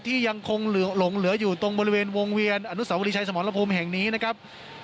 ยังคงหลงเหลืออยู่ตรงบริเวณวงเวียนอนุสาวรีชัยสมรภูมิแห่งนี้นะครับ